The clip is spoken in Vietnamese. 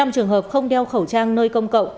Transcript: bảy mươi năm trường hợp không đeo khẩu trang nơi công cộng